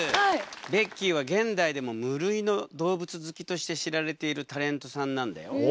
ベッキーは現代でも無類の動物好きとして知られているタレントさんなんだよ。へえ。